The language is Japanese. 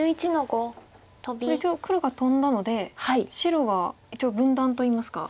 これ一応黒がトンだので白は一応分断といいますか。